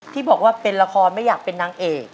ที่บอกว่าเป็นละครไม่อยากเป็นนางเอก